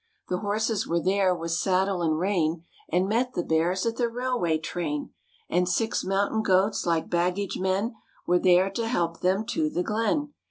The horses were there with saddle and rein And met the Bears at the railway train, And six mountain goats like baggage men Were there to help them to the glen.